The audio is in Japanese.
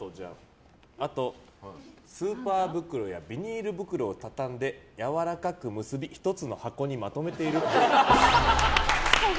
あと、スーパー袋やビニール袋をたたんでやわらかく結び１つの箱にまとめているっぽい。